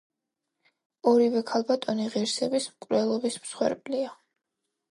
ორივე ქალბატონი ღირსების მკვლელობის მსხვერპლია.